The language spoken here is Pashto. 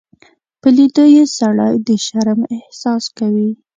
په لیدو یې سړی د شرم احساس کوي.